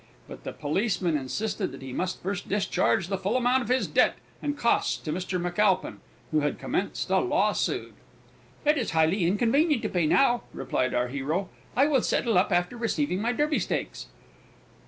But the policemen insisted that he must first discharge the full amount of his debt and costs to Mr McAlpine, who had commenced a law suit. "It is highly inconvenient to pay now," replied our hero, "I will settle up after receiving my Derby Stakes."